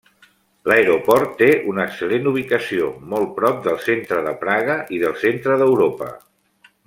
L'aeroport té una excel·lent ubicació, molt prop del centre de Praga i del centre d'Europa.